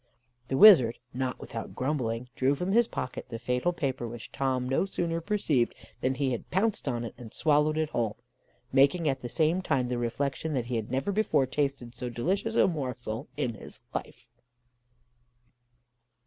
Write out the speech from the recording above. "The wizard, not without grumbling, drew from his pocket the fatal paper, which Tom no sooner perceived than he pounced on it and swallowed it whole, making at the same time the reflection that he had never before tasted so delicious a morsel in his life.